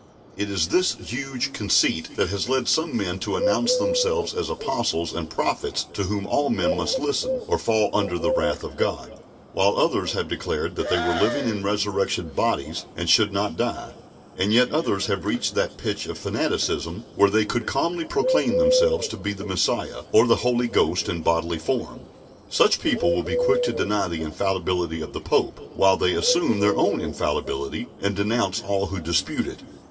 It is this huge conceit that has led some men to announce themselves as apostles and prophets to whom all men must listen, or fall under the wrath of God; while others have declared that they were living in resurrection bodies and should not die; and yet others have reached that pitch of fanaticism where they could calmly proclaim themselves to be the Messiah, or the Holy Ghost in bodily form. Such people will be quick to deny the infallibility of the Pope, while they assume their own infallibility, and denounce all who dispute it.